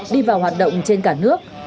đi vào hoạt động trên cả nước